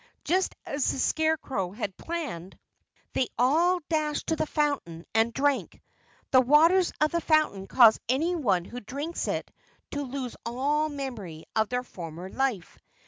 Just as the Scarecrow had planned, they all dashed to the fountain and drank. The waters of this fountain cause anyone who drinks of it to lose all memory of his former life.